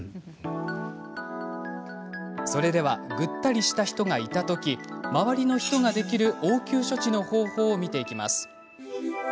それではぐったりした人がいたとき周りの人ができる応急処置の方法を見ていきます。